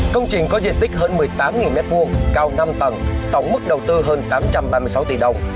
công trình có diện tích hơn một mươi tám m hai cao năm tầng tổng mức đầu tư hơn tám trăm ba mươi sáu tỷ đồng